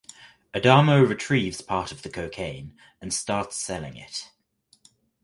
Adamo retrieves part of the cocaine and starts selling it.